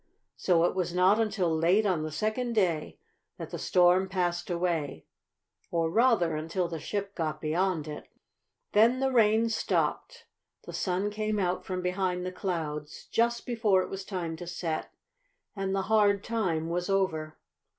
So it was not until late on the second day that the storm passed away, or rather, until the ship got beyond it. Then the rain stopped, the sun came out from behind the clouds just before it was time to set, and the hard time was over.